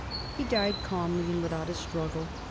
He died calmly and without a struggle.